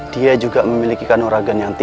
dia juga memiliki kanorageni